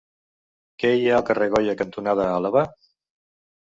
Què hi ha al carrer Goya cantonada Àlaba?